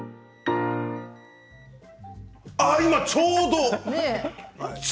今ちょうど！